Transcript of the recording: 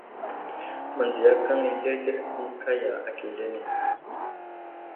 Mənziyakaŋ i zləhəzləhe ɗi kaya akindene.